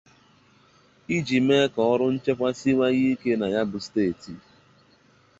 iji mee ka ọrụ nchekwa siwanye ike na ya bụ steeti.